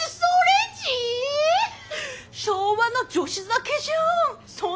昭和の女子酒じゃん！